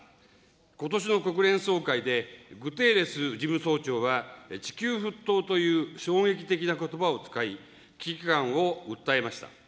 ことしの国連総会で、グテーレス事務総長は、地球沸騰という衝撃的なことばを使い、危機感を訴えました。